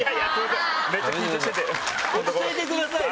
落ち着いてくださいね。